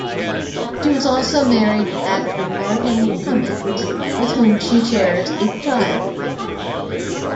She was also married to actor Martin Cummins, with whom she shares a child.